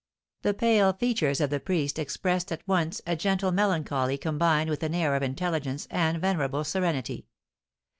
The pale features of the priest expressed at once a gentle melancholy combined with an air of intelligence and venerable serenity.